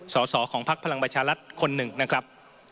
สอสอของพักพลังประชารัฐคนหนึ่งนะครับ